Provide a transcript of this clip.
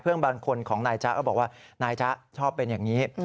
บางคนของนายจ๊ะก็บอกว่านายจ๊ะชอบเป็นอย่างนี้